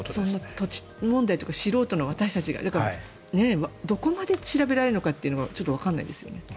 土地問題とか素人の私たちがどこまで調べられるのかってちょっとわからないですね。